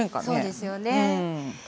そうですよね。